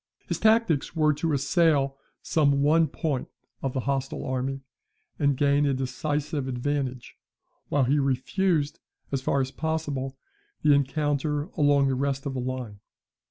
His tactics were to assail some one point of the hostile army, and gain a decisive advantage; while he refused, as far as possible, the encounter along the rest of the line.